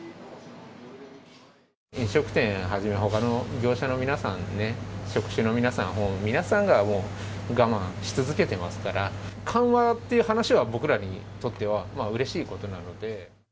飲食店はじめ、ほかの業者の皆さんね、職種の皆さん、もう皆さんがもう我慢し続けてますから、緩和って話は、僕らにとっては、うれしいことなので。